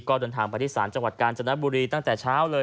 ก็เดินทางไปที่ศาลจังหวัดกาญจนบุรีตั้งแต่เช้าเลย